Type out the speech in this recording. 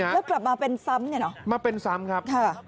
แล้วกลับมาเป็นซ้ำมาเป็นซ้ำครับ